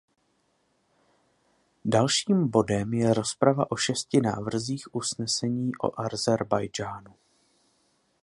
Dalším bodem je rozprava o šesti návrzích usnesení o Ázerbájdžánu.